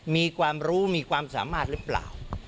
มีความรู้มีความสามารถหรือเปล่า